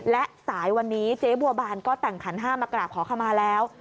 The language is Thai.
และสายวันนี้เจ๊บัวบานก็แต่งขันห้ามากราบขอขมาแล้ว